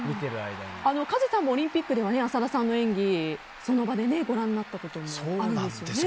カズさんもオリンピックの間は浅田さんの演技その場でご覧になったこともそうなんです。